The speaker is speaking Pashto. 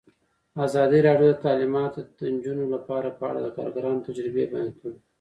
ازادي راډیو د تعلیمات د نجونو لپاره په اړه د کارګرانو تجربې بیان کړي.